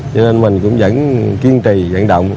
cho nên mình cũng vẫn kiên trì vận động